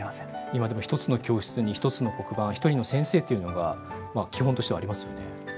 今でも１つの教室に１つの黒板１人の先生というのが基本としてはありますよね？